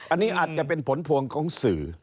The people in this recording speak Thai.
อันนี้อาจจะเป็นผลพวงของสื่อ